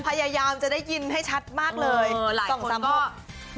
พยายามจะได้ยินให้ชัดมากเลย๒๓รอบ